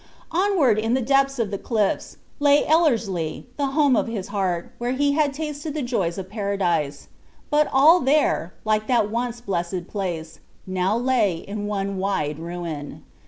Onward in the depths of the cliffs, lay Ellerslie, the home of his heart, where he had tasted the joys of Paradise; but all there, like that once blessed place, now lay in one wide ruin.